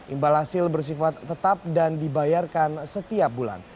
imbal hasil bersifat tetap dan dibayarkan setiap bulan